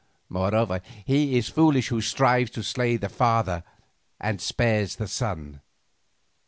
Moreover he is foolish who strives to slay the father and spares the son.